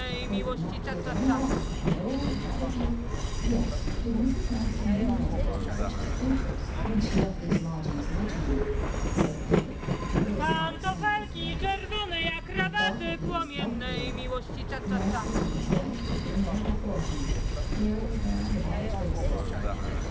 They would not give any less; no, not if you ' 'Yes. Did Mrs. Manston leave anything, such as papers, when she left these lodgings originally?' said Edward, though his heart sank as he asked. He felt that he was outwitted. Manston and his wife had been there before him, clearing the ground of all traces.